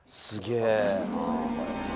すげぇ。